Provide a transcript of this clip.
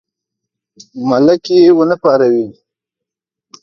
ملک یې ونه پاروي.